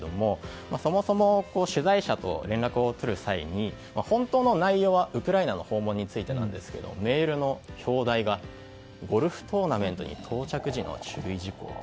そもそも取材者と連絡を取る際に本当の内容はウクライナの訪問についてなんですけどメールの表題がゴルフトーナメントに到着時の注意事項と。